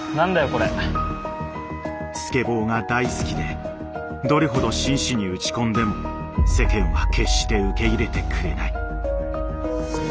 スケボーが大好きでどれほど真摯に打ち込んでも世間は決して受け入れてくれない。